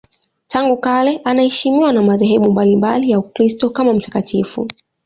Tangu kale anaheshimiwa na madhehebu mbalimbali ya Ukristo kama mtakatifu.